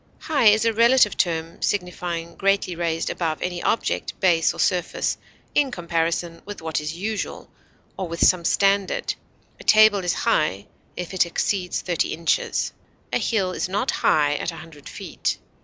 High is a relative term signifying greatly raised above any object, base, or surface, in comparison with what is usual, or with some standard; a table is high if it exceeds thirty inches; a hill is not high at a hundred feet.